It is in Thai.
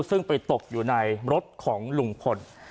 ซึ่งไปตกอยู่ในรถของลุงพล